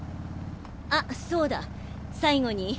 あっそうだ最後に。